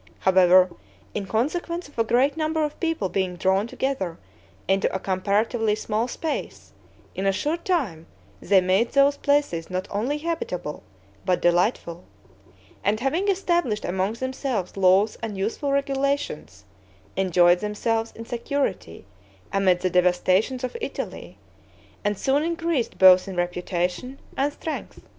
However, in consequence of a great number of people being drawn together into a comparatively small space, in a short time they made those places not only habitable, but delightful; and having established among themselves laws and useful regulations, enjoyed themselves in security amid the devastations of Italy, and soon increased both in reputation and strength.